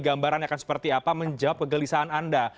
gambarannya akan seperti apa menjawab kegelisahan anda